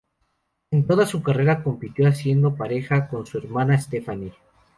En toda su carrera compitió haciendo pareja con su hermana Stefanie.